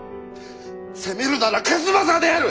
責めるなら数正である！